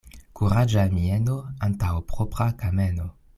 Kuraĝa mieno antaŭ propra kameno.